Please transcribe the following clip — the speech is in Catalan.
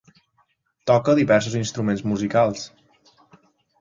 Toca diversos instruments musicals.